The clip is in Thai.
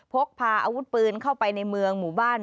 พกพาอาวุธปืนเข้าไปในเมืองหมู่บ้าน